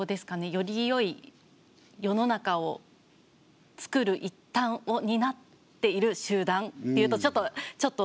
より良い世の中をつくる一端を担っている集団って言うとちょっと偉そうだな。